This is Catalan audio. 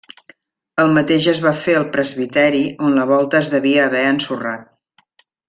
El mateix es va fer al presbiteri on la volta es devia haver ensorrat.